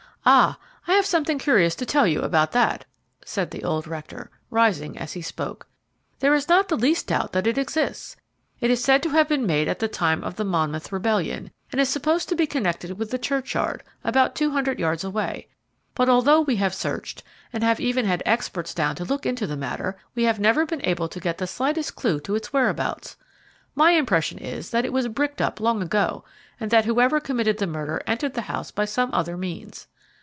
"Ah! I have something curious to tell you about that," said the old rector, rising as he spoke. "There is not the least doubt that it exists. It is said to have been made at the time of the Monmouth Rebellion, and is supposed to be connected with the churchyard, about two hundred yards away; but although we have searched, and have even had experts down to look into the matter, we have never been able to get the slightest clue to its whereabouts. My impression is that it was bricked up long ago, and that whoever committed the murder entered the house by some other means.